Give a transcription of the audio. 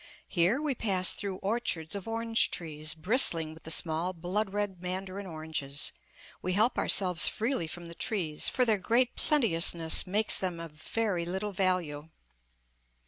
Here we pass through orchards of orange trees bristling with the small blood red mandarin oranges; we help ourselves freely from the trees, for their great plenteousness makes them of very little value.